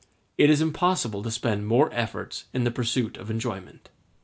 It is impossible to spend more efforts in the pursuit of enjoyment.